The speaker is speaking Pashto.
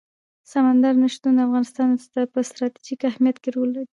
سمندر نه شتون د افغانستان په ستراتیژیک اهمیت کې رول لري.